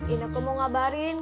ineku mau ngabarin